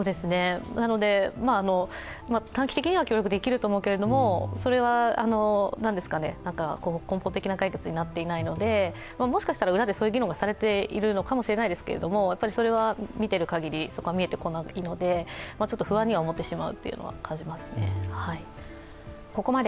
なので、短期的には協力できると思うけれども、それは根本的な解決になっていないのでもしかしたら裏でそういう議論がされているのかもしれないですけれども、やっぱり見ている限りそこは見えてきていないので、不安に思ってしまうというのは感じますね。